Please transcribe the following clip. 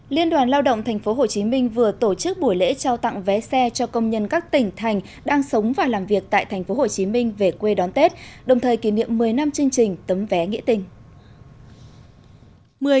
liên đoàn lao động tp hcm vừa tổ chức buổi lễ trao tặng vé xe cho công nhân các tỉnh thành đang sống và làm việc tại tp hcm về quê đón tết đồng thời kỷ niệm một mươi năm chương trình tấm vé nghĩa tình